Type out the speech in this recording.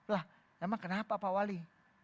lah emang kenapa pak wali